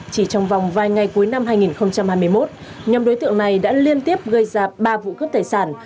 chỉ trong vòng vài ngày cuối năm hai nghìn hai mươi một nhóm đối tượng này đã liên tiếp gây ra ba vụ cướp tài sản